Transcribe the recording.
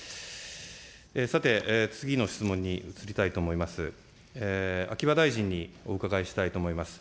さて、次の質問に移りたいと思います。